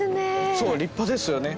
そう立派ですよね。